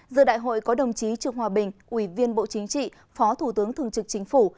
giữa đại hội có đồng chí trương hòa bình ủy viên bộ chính trị phó thủ tướng thường trực chính phủ